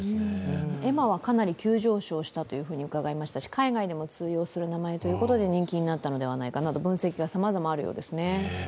エマはかなり急上昇したと伺いましたし海外でも通用する名前ということで人気になったのではないかなど分析がさまざまあるようですね。